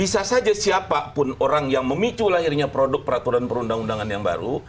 bisa saja siapapun orang yang memicu lahirnya produk peraturan perundang undangan yang baru